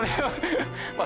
まあ